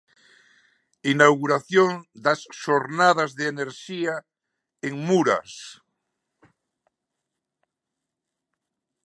Inauguración das Xornadas da Enerxía en Muras.